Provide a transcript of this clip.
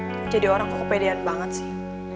lo jadi orang kok kepedean banget sih